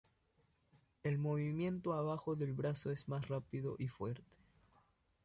El movimiento abajo del brazo es más rápido y fuerte.